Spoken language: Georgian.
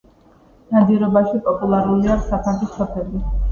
ნადირობაში პოპულარულია საფანტის თოფები.